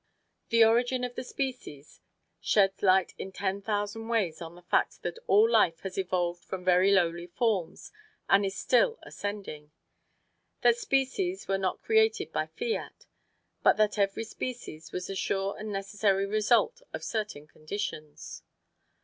"The Origin of Species" sheds light in ten thousand ways on the fact that all life has evolved from very lowly forms and is still ascending: that species were not created by fiat, but that every species was the sure and necessary result of certain conditions.